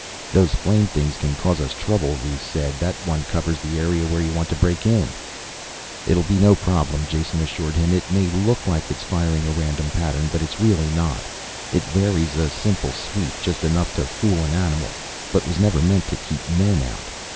"Those flame things can cause us trouble," Rhes said. "That one covers the area where you want to break in." "It'll be no problem," Jason assured him. "It may look like it is firing a random pattern, but it's really not. It varies a simple sweep just enough to fool an animal, but was never meant to keep men out.